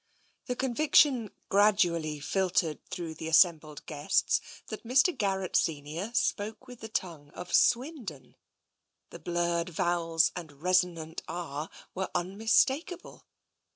The conviction gradually filtered through the assem bled guests that Mr. Garrett senior spoke with the tongue of Swindon. The blurred vowels and resonant r were unmistakable.